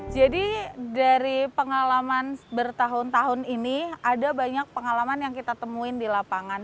jadi dari pengalaman bertahun tahun ini ada banyak pengalaman yang kita temuin di lapangan